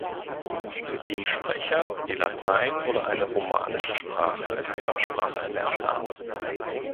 Zudem Sprecher, die Latein oder eine romanische Sprache als Fremdsprache erlernt haben.